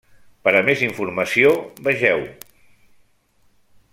Per a més informació, vegeu: